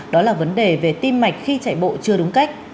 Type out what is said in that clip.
đó là vấn đề về tim mạch khi chạy bộ chưa đúng cách